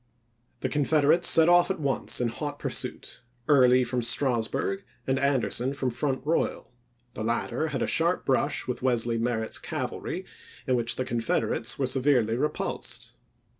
The Confederates set off at once in hot pursuit, on condSS Early from Strasburg and Anderson from Front oti865j6.ar' Royal; the latter had a sharp brush with Wesley Merritt's cavalry, in which the Confederates were severely repulsed.